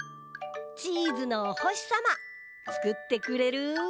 チーズのおほしさまつくってくれる？